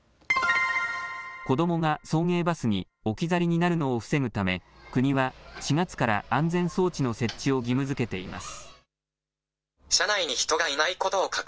子どもが送迎バスに置き去りになるのを防ぐため国は４月から安全装置の設置を義務づけています。